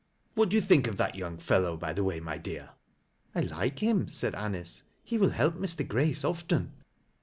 What do you think of that young fellow, by the way, my dear ?"" I like him," said Anice. " He will help Mr. Grace often."